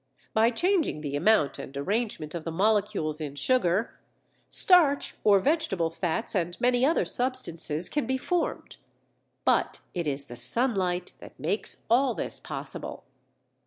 By changing the amount and arrangement of the molecules in sugar, starch or vegetable fats, and many other substances can be formed. But it is the sunlight that makes all this possible.